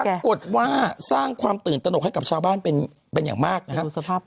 ปรากฏว่าสร้างความตื่นตนกให้กับชาวบ้านเป็นอย่างมากนะครับ